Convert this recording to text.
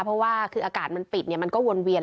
เพราะว่าคืออากาศมันปิดมันก็วนเวียน